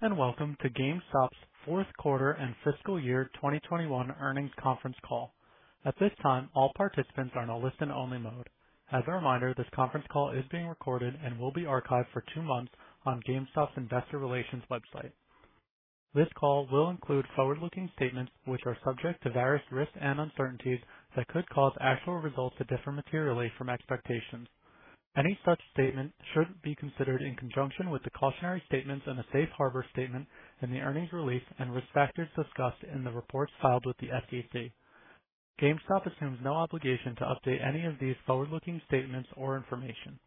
Welcome to GameStop's Q4 and Fiscal Year 2021 Earnings Conference Call. At this time, all participants are in a listen only mode. As a reminder, this conference call is being recorded and will be archived for two months on GameStop's Investor Relations website. This call will include forward-looking statements which are subject to various risks and uncertainties that could cause actual results to differ materially from expectations. Any such statements should be considered in conjunction with the cautionary statements and the safe harbor statement in the earnings release and risk factors discussed in the reports filed with the SEC. GameStop assumes no obligation to update any of these forward-looking statements or information.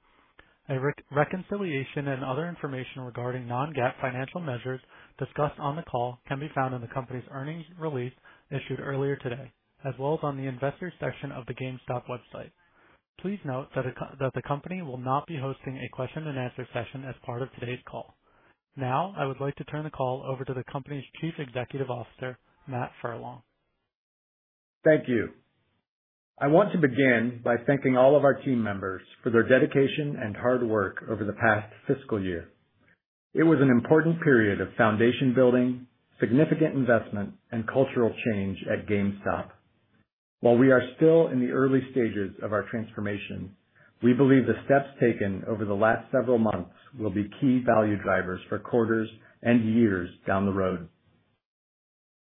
A reconciliation and other information regarding non-GAAP financial measures discussed on the call can be found in the company's earnings release issued earlier today, as well as on the Investor section of the GameStop website. Please note that the company will not be hosting a question and answer session as part of today's call. Now, I would like to turn the call over to the company's Chief Executive Officer, Matt Furlong. Thank you. I want to begin by thanking all of our team members for their dedication and hard work over the past fiscal year. It was an important period of foundation building, significant investment, and cultural change at GameStop. While we are still in the early stages of our transformation, we believe the steps taken over the last several months will be key value drivers for quarters and years down the road.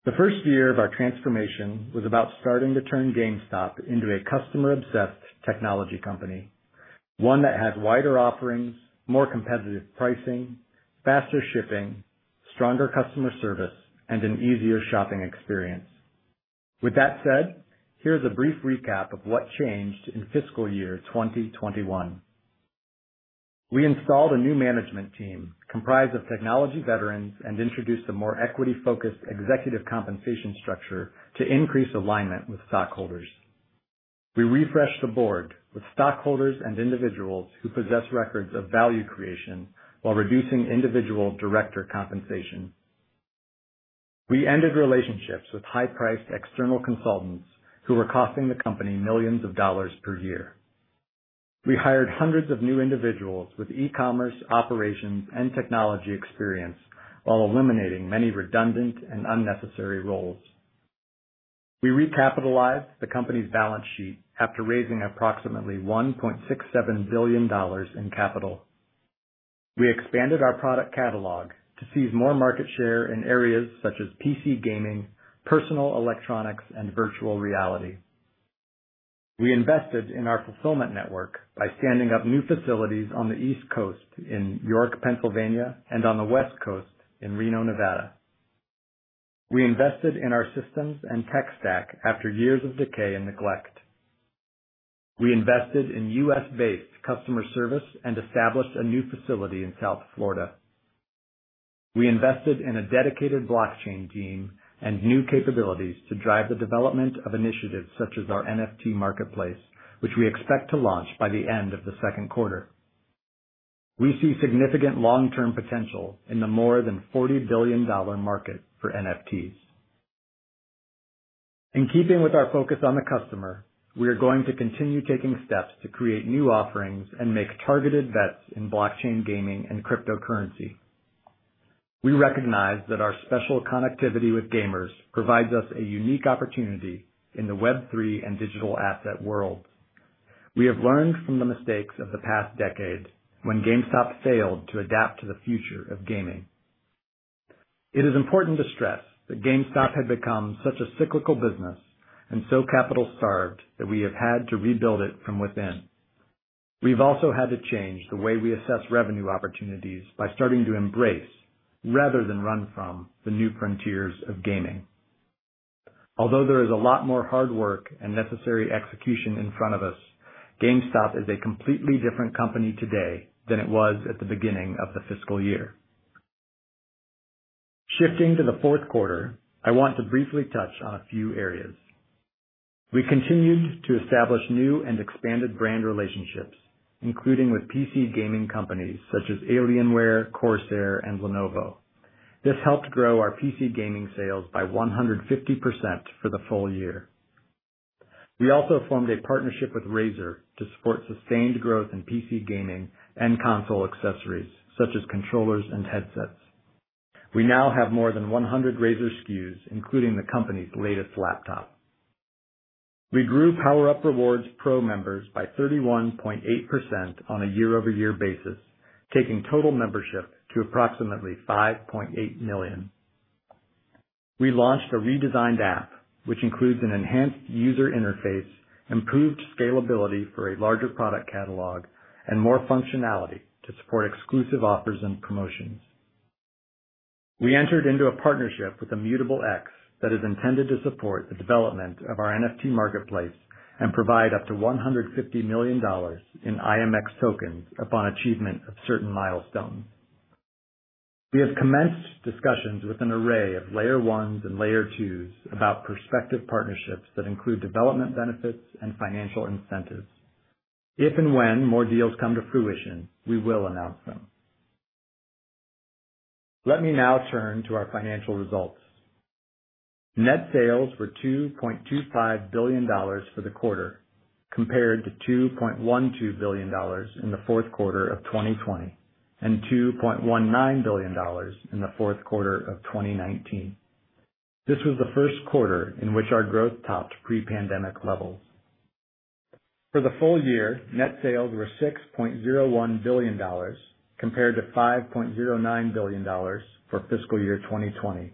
The first year of our transformation was about starting to turn GameStop into a customer-obsessed technology company, one that had wider offerings, more competitive pricing, faster shipping, stronger customer service, and an easier shopping experience. With that said, here's a brief recap of what changed in fiscal year 2021. We installed a new management team comprised of technology veterans and introduced a more equity-focused executive compensation structure to increase alignment with stockholders. We refreshed the board with stockholders and individuals who possess records of value creation while reducing individual director compensation. We ended relationships with high-priced external consultants who were costing the company million of dollars per year. We hired hundreds of new individuals with e-commerce, operations, and technology experience, while eliminating many redundant and unnecessary roles. We recapitalized the company's balance sheet after raising approximately $1.67 billion in capital. We expanded our product catalog to seize more market share in areas such as PC gaming, personal electronics, and virtual reality. We invested in our fulfillment network by standing up new facilities on the East Coast in York, Pennsylvania, and on the West Coast in Reno, Nevada. We invested in our systems and tech stack after years of decay and neglect. We invested in U.S.-based customer service and established a new facility in South Florida. We invested in a dedicated blockchain team and new capabilities to drive the development of initiatives such as our NFT marketplace, which we expect to launch by the end of the Q2. We see significant long-term potential in the more than $40 billion market for NFTs. In keeping with our focus on the customer, we are going to continue taking steps to create new offerings and make targeted bets in blockchain gaming and cryptocurrency. We recognize that our special connectivity with gamers provides us a unique opportunity in the Web3 and digital asset worlds. We have learned from the mistakes of the past decade when GameStop failed to adapt to the future of gaming. It is important to stress that GameStop had become such a cyclical business and so capital-starved, that we have had to rebuild it from within. We've also had to change the way we assess revenue opportunities by starting to embrace rather than run from the new frontiers of gaming. Although there is a lot more hard work and necessary execution in front of us, GameStop is a completely different company today than it was at the beginning of the fiscal year. Shifting to the Q4, I want to briefly touch on a few areas. We continued to establish new and expanded brand relationships, including with PC gaming companies such as Alienware, Corsair, and Lenovo. This helped grow our PC gaming sales by 150% for the full year. We also formed a partnership with Razer to support sustained growth in PC gaming and console accessories, such as controllers and headsets. We now have more than 100 Razer SKUs, including the company's latest laptop. We grew PowerUp Rewards Pro members by 31.8% on a year-over-year basis, taking total membership to approximately 5.8 million. We launched a redesigned app which includes an enhanced user interface, improved scalability for a larger product catalog, and more functionality to support exclusive offers and promotions. We entered into a partnership with Immutable X that is intended to support the development of our NFT marketplace and provide up to $150 million in IMX tokens upon achievement of certain milestones. We have commenced discussions with an array of layer ones and layer twos about prospective partnerships that include development benefits and financial incentives. If and when more deals come to fruition, we will announce them. Let me now turn to our financial results. Net sales were $2.25 billion for the quarter compared to $2.12 billion in the Q4 of 2020 and $2.19 billion in the Q4 of 2019. This was the Q1 in which our growth topped pre-pandemic levels. For the full year, net sales were $6.01 billion compared to $5.09 billion for fiscal year 2020.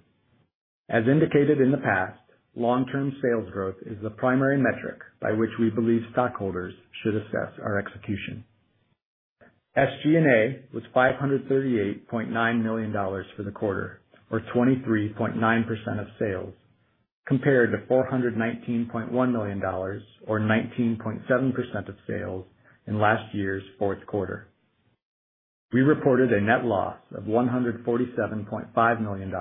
As indicated in the past, long-term sales growth is the primary metric by which we believe stockholders should assess our execution. SG&A was $538.9 million for the quarter, or 23.9% of sales, compared to $419.1 million or 19.7% of sales in last year's Q4. We reported a net loss of $147.5 million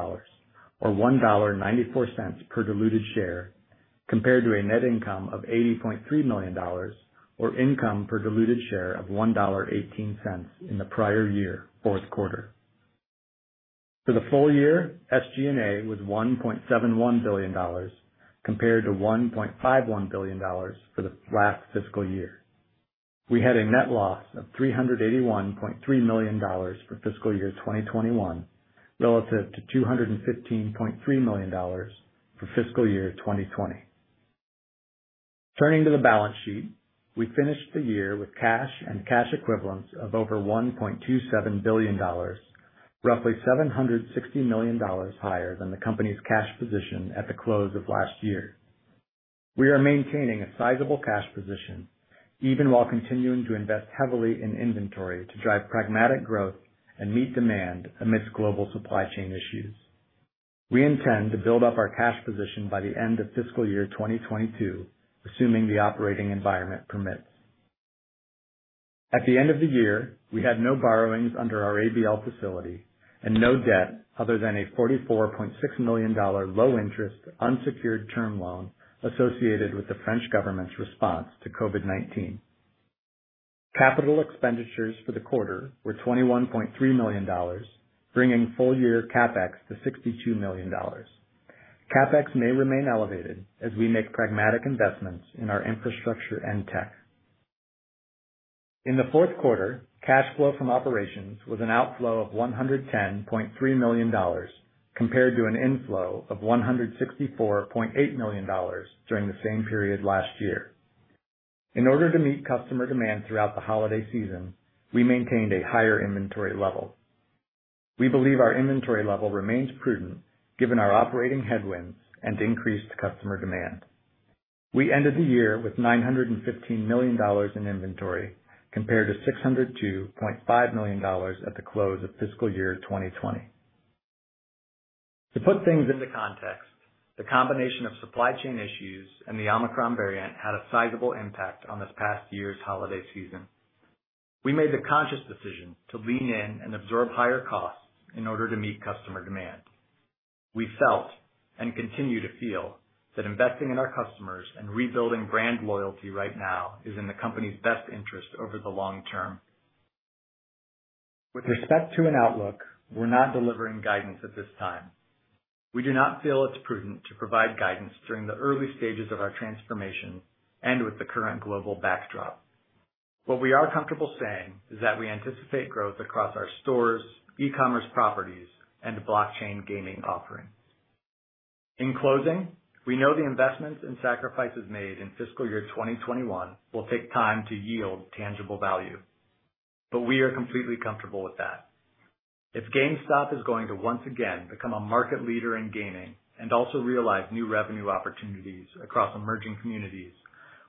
or $1.94 per diluted share compared to a net income of $80.3 million or income per diluted share of $1.18 in the prior year Q4. For the full year, SG&A was $1.71 billion compared to $1.51 billion for the last fiscal year. We had a net loss of $381.3 million for fiscal year 2021 relative to $215.3 million for fiscal year 2020. Turning to the balance sheet, we finished the year with cash and cash equivalents of over $1.27 billion, roughly $760 million higher than the company's cash position at the close of last year. We are maintaining a sizable cash position even while continuing to invest heavily in inventory to drive pragmatic growth and meet demand amidst global supply chain issues. We intend to build up our cash position by the end of fiscal year 2022, assuming the operating environment permits. At the end of the year, we had no borrowings under our ABL facility and no debt other than a $44.6 million low interest unsecured term loan associated with the French government's response to COVID-19. Capital expenditures for the quarter were $21.3 million, bringing full year CapEx to $62 million. CapEx may remain elevated as we make pragmatic investments in our infrastructure and tech. In the Q4, cash flow from operations was an outflow of $110.3 million compared to an inflow of $164.8 million during the same period last year. In order to meet customer demand throughout the holiday season, we maintained a higher inventory level. We believe our inventory level remains prudent given our operating headwinds and increased customer demand. We ended the year with $915 million in inventory compared to $602.5 million at the close of fiscal year 2020. To put things into context, the combination of supply chain issues and the Omicron variant had a sizable impact on this past year's holiday season. We made the conscious decision to lean in and absorb higher costs in order to meet customer demand. We felt and continue to feel that investing in our customers and rebuilding brand loyalty right now is in the company's best interest over the long term. With respect to an outlook, we're not delivering guidance at this time. We do not feel it's prudent to provide guidance during the early stages of our transformation and with the current global backdrop. What we are comfortable saying is that we anticipate growth across our stores, e-commerce properties, and blockchain gaming offerings. In closing, we know the investments and sacrifices made in fiscal year 2021 will take time to yield tangible value, but we are completely comfortable with that. If GameStop is going to once again become a market leader in gaming and also realize new revenue opportunities across emerging communities,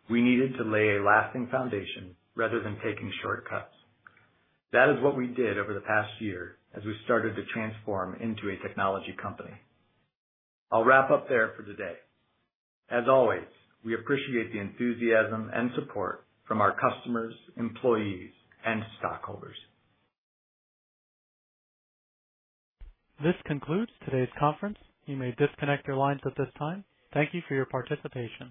we needed to lay a lasting foundation rather than taking shortcuts. That is what we did over the past year as we started to transform into a technology company. I'll wrap up there for today. As always, we appreciate the enthusiasm and support from our customers, employees and stockholders. This concludes today's conference. You may disconnect your lines at this time. Thank you for your participation.